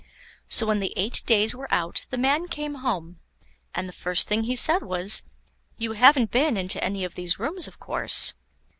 So when the eight days were out, the man came home, and the first thing he said was: "You haven't been into any of these rooms, of course."